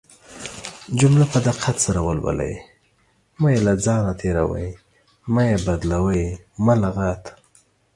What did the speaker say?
جمله په دقت سره ولولٸ مه يې له ځانه تيروٸ، مه يې بدالوۍ، مه لغت